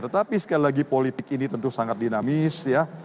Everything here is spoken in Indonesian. tetapi sekali lagi politik ini tentu sangat dinamis ya